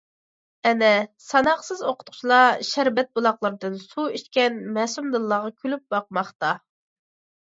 ئەنە، ساناقسىز ئوقۇتقۇچىلار شەربەت بۇلاقلىرىدىن‹‹ سۇ›› ئىچكەن مەسۇم دىللارغا كۈلۈپ باقماقتا.